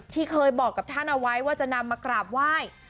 ที่เคยบอกกับท่านเอาไว้ว่าจะนำมากราบไหว้